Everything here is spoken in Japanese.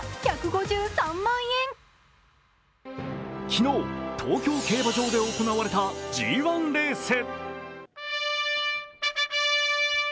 昨日東京競馬場で行われたＧⅠレース。